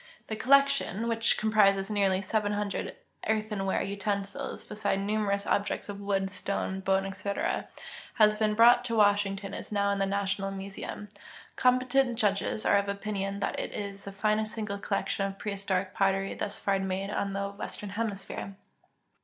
The collection, Avhich com[)rises nearly 7IH) eartheiiAvare utensils, beside numerous objects of Avood, stone, bone, etc., has been brought to Washington and is now in tlie National Museum. Competent judges are of opinion that it is the finest single collection of prehistoric pottery thus far made on the Western Hemisphere.